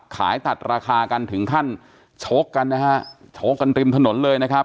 ขายตัดราคากันถึงขั้นชกกันนะฮะโชคกันริมถนนเลยนะครับ